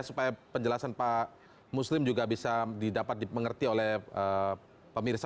supaya penjelasan pak muslim juga bisa didapat dimengerti oleh pemirsa